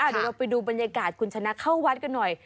เดี๋ยวเราไปดูบรรยากาศคุณชนะเข้าวัดกันหน่อย